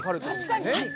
確かに。